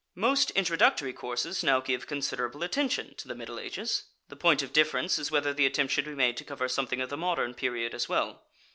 Most introductory courses now give considerable attention to the Middle Ages; the point of difference is whether the attempt should be made to cover something of the modern period as well.